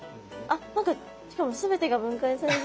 あっ何かしかも全てが分解される。